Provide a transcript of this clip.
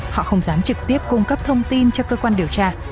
họ không dám trực tiếp cung cấp thông tin cho cơ quan điều tra